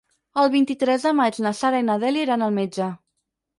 El vint-i-tres de maig na Sara i na Dèlia iran al metge.